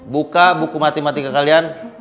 buka buku matematika kalian